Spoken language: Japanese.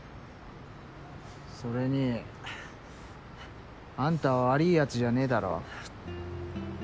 それにあんたは悪ぃやつじゃねぇだろ。